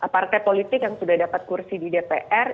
partai politik yang sudah dapat kursi di dpr